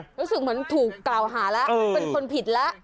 รู้สึกเหมือนถูกกล่าวหาแล้วเป็นคนผิดแล้ว